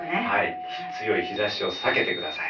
強い日ざしを避けてください。